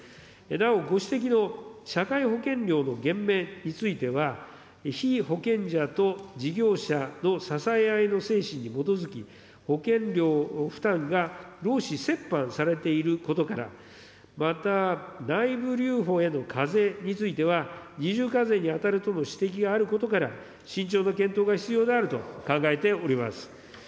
なお、ご指摘の社会保険料の減免については、被保険者と事業者の支え合いの精神に基づき、保険料負担が労使折半されていることから、また内部留保への課税については、二重課税に当たるとの指摘があることから、慎重な検討が必要であると考えております。